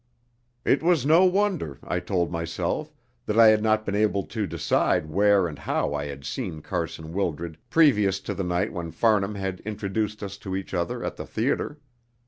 It was no wonder, I told myself, that I had not been able to decide where and how I had seen Carson Wildred previous to the night when Farnham had introduced us to each other at the theatre.